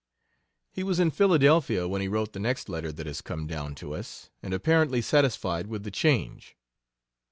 He was in Philadelphia when he wrote the nest letter that has come down to us, and apparently satisfied with the change.